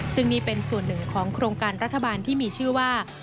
ซึ่งนี่เป็นส่วนหนึ่งของโครงการรัฐบาลที่มีชื่อว่า